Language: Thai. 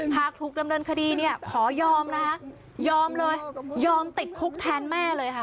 หากถูกดำเนินคดีเนี่ยขอยอมนะคะยอมเลยยอมติดคุกแทนแม่เลยค่ะ